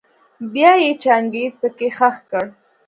بيا يې چنګېز پکي خښ کړ.